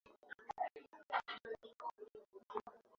Reli hii ilijengwa wakati wa koloni ya Afrika ya Mashariki ya Kijerumani.